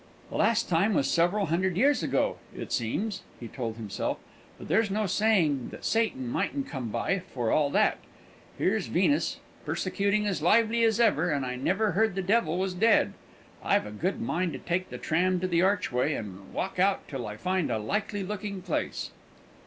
"The last time was several hundred years ago, it seems," he told himself; "but there's no saying that Satan mightn't come by, for all that. Here's Venus persecuting as lively as ever, and I never heard the devil was dead. I've a good mind to take the tram to the Archway, and walk out till I find a likely looking place."